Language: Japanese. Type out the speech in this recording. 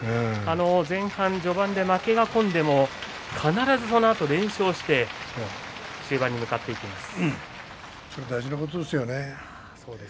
前半序盤で負けが込んでも必ずそのあとは連勝して終盤に向かっていきます。